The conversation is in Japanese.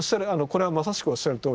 まさしくおっしゃるとおりで。